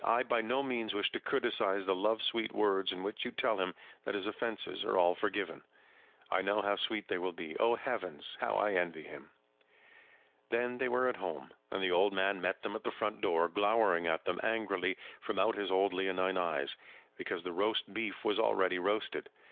I by no means wish to criticise the love sweet words in which you tell him that his offences are all forgiven. I know how sweet they will be. Oh, heavens! how I envy him!" Then they were at home; and the old man met them at the front door, glowering at them angrily from out his old leonine eyes, because the roast beef was already roasted.